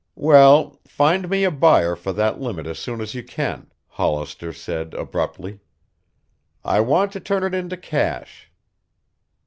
"Well, find me a buyer for that limit as soon as you can," Hollister said abruptly. "I want to turn it into cash."